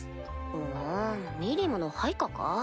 ふんミリムの配下か？